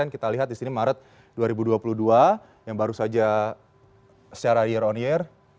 kita lihat di sini maret dua ribu dua puluh dua yang baru saja secara year on year